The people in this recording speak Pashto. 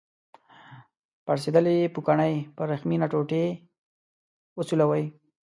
پړسیدلې پوکڼۍ په وریښمینه ټوټه وسولوئ.